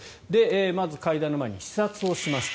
まず会談の前に視察をしました。